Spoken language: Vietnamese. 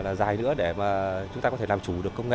cũng tương đối là dài nữa để mà chúng ta có thể làm chủ được công nghệ